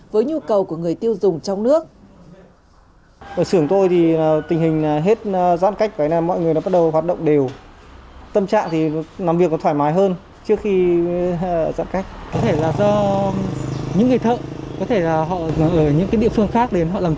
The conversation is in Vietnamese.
với nhu cầu của người tiêu dùng trong nước